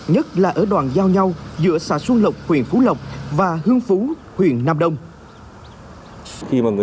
nhất là ở đoàn giao nhau giữa xã xuân lộc huyện phú lộc và hương phú huyện nam đông